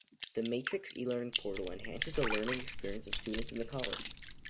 The Matrix E-learning Portal enhances the learning experience of students in the college.